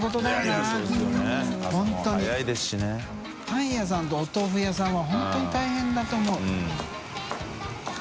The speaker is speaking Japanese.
僖鷁阿気鵑お豆腐屋さんは本当に大変だと思う。